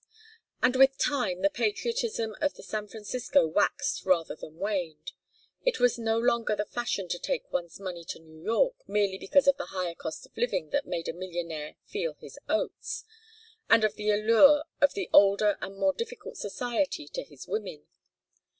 And with time the patriotism of the San Franciscan waxed rather than waned. It was no longer the fashion to take one's money to New York, merely because of the higher cost of living that made a millionaire "feel his oats," and of the allure of the older and more difficult society to his women.